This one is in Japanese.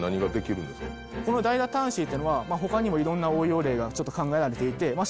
このダイラタンシーっていうのは他にも色んな応用例がちょっと考えられていてまあ